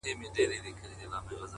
o د پامیر لوري یه د ښکلي اریانا لوري،